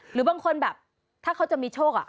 หรือบางคนแบบถ้าเขาจะมีโชค